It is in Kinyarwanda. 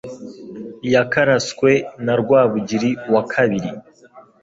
Yakaraswe na Rwabugiri wa kabiri